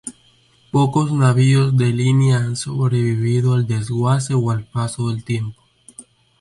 Pocos navíos de línea han sobrevivido al desguace o al paso del tiempo.